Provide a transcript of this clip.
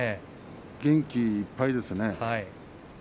元気いっぱいですね。